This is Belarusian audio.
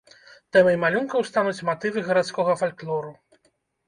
Тэмай малюнкаў стануць матывы гарадскога фальклору.